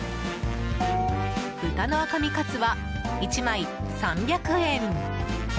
豚の赤身カツは１枚３００円。